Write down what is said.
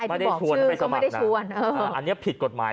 ไม่ชวนไม่จะหมัดนะอันนี้พิษกฎหมาย